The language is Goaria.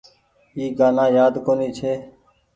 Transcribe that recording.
اي گآنآ يآد ڪونيٚ ڇي۔